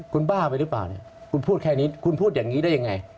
คุณบ้าไปหรือเปล่าเนี่ยคุณพูดแค่นี้คุณพูดอย่างนี้ได้ยังไง